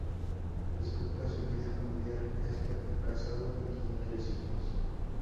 Respecto a su vida familiar esta casado y tiene tres hijos.